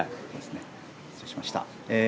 失礼しました。